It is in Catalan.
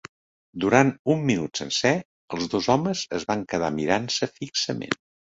Durant un minut sencer, els dos homes es van quedar mirant-se fixament.